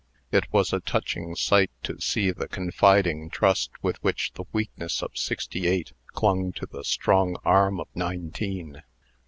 It was a touching sight to see the confiding trust with which the weakness of sixty eight clung to the strong arm of nineteen.